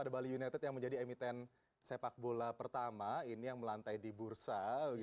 bali united yang menjadi emiten sepak bola pertama ini yang melantai di bursa